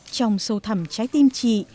trong sâu thẳm trái tim chị